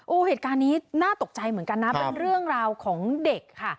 โอ้โหเหตุการณ์นี้น่าตกใจเหมือนกันนะเป็นเรื่องราวของเด็กค่ะ